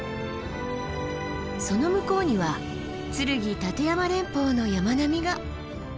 その向こうには剱・立山連峰の山並みが。